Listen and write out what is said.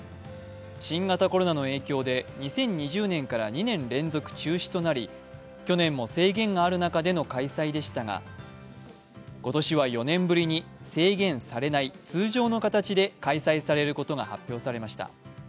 新型コロナの影響で２０２０年から２年連続中止となり、去年も制限がある中での開催でしたが今年は４年ぶりに制限されない通常の形で開催されることが発表されました。